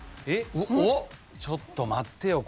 ちょっと待ってよ